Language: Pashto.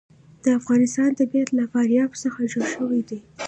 د افغانستان طبیعت له فاریاب څخه جوړ شوی دی.